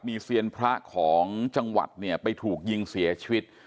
มีเซียนพระของจังหวัดเนี่ยไปถูกยิงเสียชีวิต